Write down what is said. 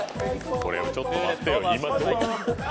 これはちょっと待ってよ。